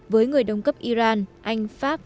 với người đồng cấp iran anh pháp